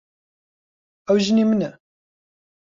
ئەو ژنی منە.